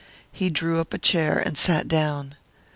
He drew up a chair and sat down.